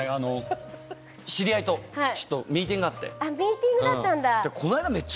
知り合いとミーティングがあってね。